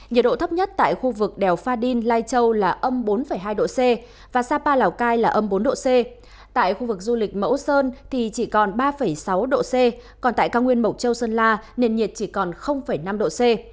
nhiệt độ thấp nhất tại khu vực đèo pha đin lai châu là âm bốn hai độ c và sapa lào cai là âm bốn độ c tại khu vực du lịch mẫu sơn thì chỉ còn ba sáu độ c còn tại cao nguyên mộc châu sơn la nền nhiệt chỉ còn năm độ c